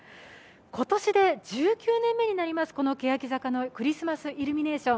今年で１９年目になります、このけやき坂のクリスマスイルミネーション。